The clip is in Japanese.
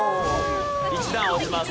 １段落ちます。